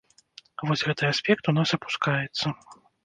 Вось гэты аспект у нас апускаецца.